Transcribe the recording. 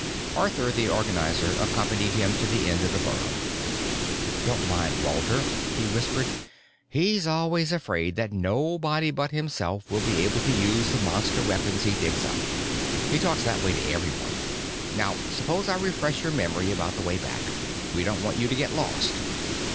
Arthur the Organizer accompanied him to the end of the burrow. "Don't mind Walter," he whispered. "He's always afraid that nobody but himself will be able to use the Monster weapons he digs up. He talks that way to everyone. Now, suppose I refresh your memory about the way back. We don't want you to get lost."